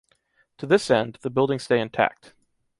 To this end, the buildings stay intact.